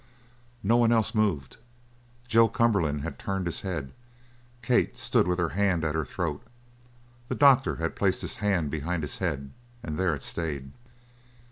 No one else moved. Joe Cumberland had turned his head; Kate stood with her hand at her throat; the doctor had placed his hand behind his head, and there it stayed.